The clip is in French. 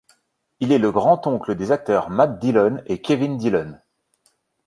Il est le grand-oncle des acteurs Matt Dillon et Kevin Dillon.